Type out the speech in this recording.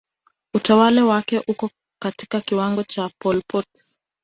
Utawala wake upo katika kiwango cha Pol Pot